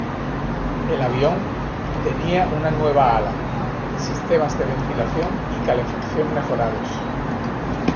El avión tenía una nueva ala, sistemas de ventilación y calefacción mejorados.